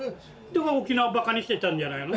沖縄をバカにしてたんじゃないの？